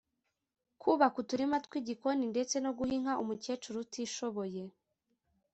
kubaka uturima tw’igikoni ndetse no guha inka umukecuru utishoboye